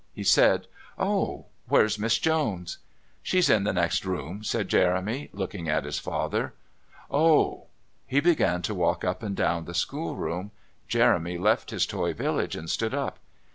He said: "Oh! Where's Miss Jones?" "She's in the next room," said Jeremy, looking at his father. "Oh!" He began to walk up and down the schoolroom. Jeremy left his toy village and stood up.